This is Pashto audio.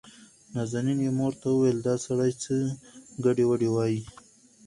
نازنين يې مور ته وويل دا سړى څه ګډې وډې وايي.